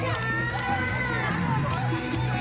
อ้าวเต้นสิ